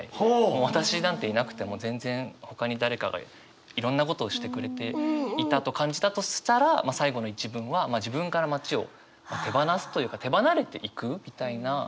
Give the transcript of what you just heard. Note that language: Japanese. もう私なんていなくても全然ほかに誰かがいろんなことをしてくれていたと感じたとしたら最後の一文は自分から町を手放すというか手離れていく。